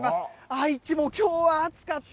愛知もきょうは暑かった。